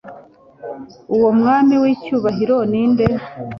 Uwo Mwami w'icyubahiro ni nde ?